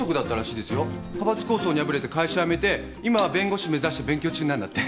派閥抗争に敗れて会社辞めて今は弁護士目指して勉強中なんだって。